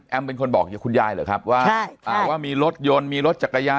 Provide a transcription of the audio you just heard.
เป็นคนบอกคุณยายเหรอครับว่าใช่อ่าว่ามีรถยนต์มีรถจักรยาน